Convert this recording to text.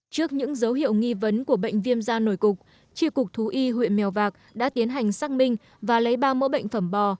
trước những dấu hiệu nghi vấn của bệnh viêm da nổi cục tri cục thú y huyện mèo vạc đã tiến hành xác minh và lấy ba mẫu bệnh phẩm bò